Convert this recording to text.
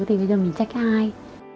thì bây giờ mình trách ai